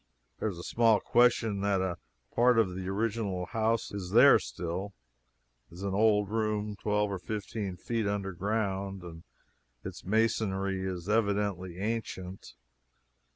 There is small question that a part of the original house is there still; it is an old room twelve or fifteen feet under ground, and its masonry is evidently ancient.